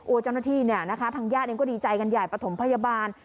โอจังหน้าที่นะคะทางญาติก็ดีใจกันใหญ่ประถมพยาบาล